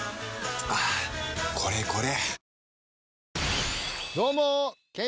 はぁこれこれ！